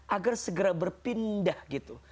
agar segera berpindah gitu